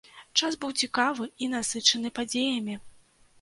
Час быў цікавы і насычаны падзеямі.